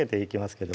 けど